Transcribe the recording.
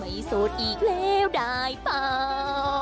โสดอีกแล้วได้เปล่า